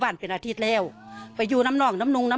ภรรยาก็บอกว่านายเทวีอ้างว่าไม่จริงนายทองม่วนขโมย